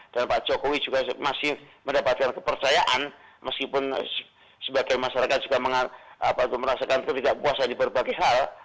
pak jokowi juga masih mendapatkan kepercayaan meskipun sebagai masyarakat juga merasakan ketidakpuasan di berbagai hal